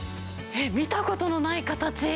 見たことのない形。